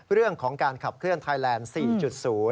เรื่องของการขับเคลื่อนไทยแลนด์๔๐